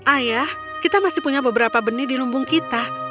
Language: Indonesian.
ayah kita masih punya beberapa benih di lumbung kita